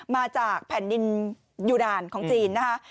มาจากแผ่นดินยูนานของจีนนะคะ